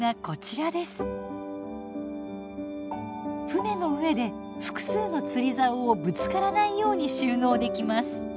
船の上で複数の釣りざおをぶつからないように収納できます。